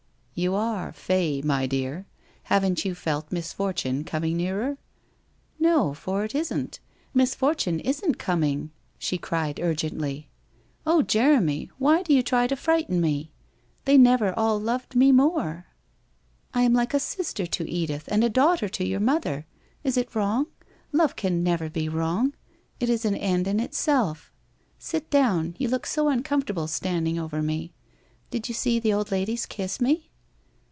' You are " fey," my dear. Haven't you felt misfortune coming nearer?' ' No, for it isn't. Misfortune isn't coming,' she cried urgently. 'Oh, Jeremy, why do you try to frighten me? They never all loved me more. I am like a sister to Edith and a daughter to your mother. Is it wrong? Love can never be wrong. It is an end in itself. Sit down. You look so uncomfortable standing over me. Did you see the old ladies k i s me